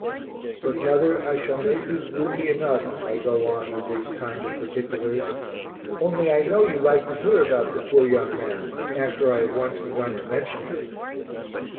But mother, I shall make you gloomy enough if I go on with these kind of particulars only I know you like to hear about the poor young men, after I have once begun to mention them.